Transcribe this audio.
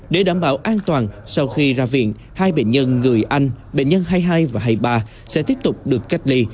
để đảm bảo an toàn sau khi ra viện hai bệnh nhân người anh bệnh nhân hai mươi hai và hai mươi ba sẽ tiếp tục được cách ly